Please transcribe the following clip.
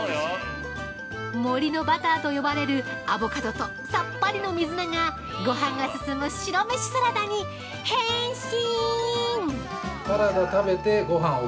森のバターと呼ばれるアボカドとさっぱりの水菜がごはんが進む白飯サラダに変身！